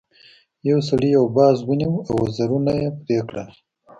یو سړي یو باز ونیو او وزرونه یې پرې کړل.